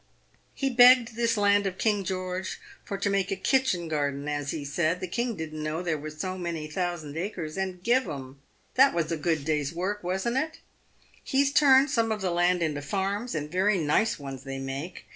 He begged this land of King George for to make a kitchen garden, as he said. The king didn't know there was so many thousand acres, and give 'em. That was a good day's work, wasu't it ? He's turned some of the land into farms, and very nice ones they make.